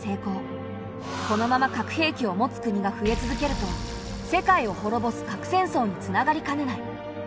このまま核兵器を持つ国が増え続けると世界をほろぼす核戦争につながりかねない。